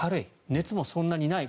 熱もそんなにない。